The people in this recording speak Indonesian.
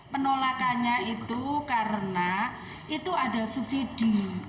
penolakannya itu karena itu ada subsidi